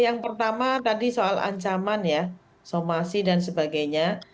yang pertama tadi soal ancaman ya somasi dan sebagainya